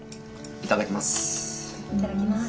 いただきます。